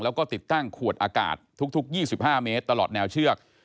แล้วก็ติดตั้งขวดอากาศทุก๒๕เมตรตลอดแนวเชือก